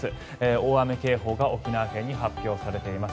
大雨警報が沖縄県に発表されています。